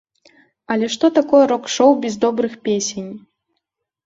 Але што такое рок-шоу без добрых песень?